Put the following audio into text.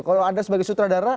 kalau anda sebagai sutradara